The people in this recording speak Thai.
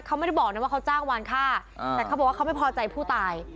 เขาไม่ได้บอกนะว่าเขาจ้างวานค่าแต่เขาบอกว่าเขาไม่พอใจผู้ตาย